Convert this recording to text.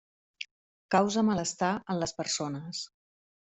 Causa malestar en les persones.